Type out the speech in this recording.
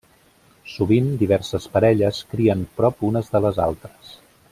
Sovint diverses parelles crien prop unes de les altres.